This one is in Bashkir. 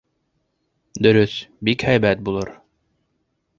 — Дөрөҫ, бик һәйбәт булыр.